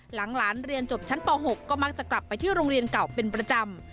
หลานเรียนจบชั้นป๖ก็มักจะกลับไปที่โรงเรียนเก่าเป็นประจำ